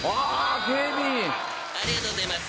⁉ありがとうございます